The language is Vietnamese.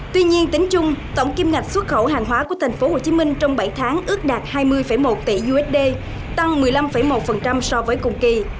tuy nhiên tính chung tổng kim ngạch xuất khẩu hàng hóa của thành phố hồ chí minh trong bảy tháng ước đạt hai mươi một tỷ usd tăng một mươi năm một so với cùng kỳ